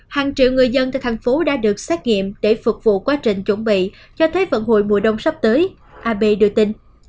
hàng triệu người dân từ thành phố đã được xét nghiệm để phục vụ quá trình chuẩn bị cho thế vận hội mùa đông sắp tới ab đưa tin